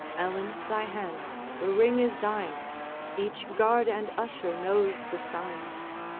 Ellen, thy hand the ring is thine; Each guard and usher knows the sign.